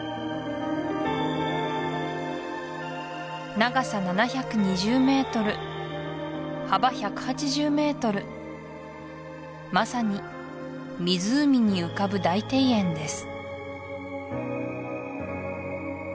長さ７２０ｍ幅１８０ｍまさに湖に浮かぶ大庭園です